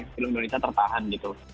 film indonesia tertahan gitu